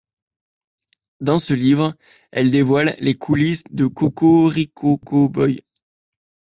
Dans ce livre, elles dévoilent les coulisses de Cocoricocoboy.